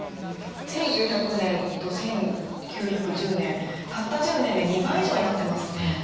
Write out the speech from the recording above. １９００年と１９１０年たった１０年で２倍以上になってますね。